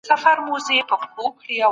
فلجي ناروغ لاسونه او پښې سم نه کاروي.